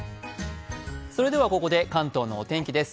それではここで関東のお天気です。